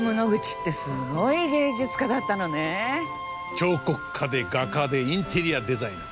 彫刻家で画家でインテリアデザイナー。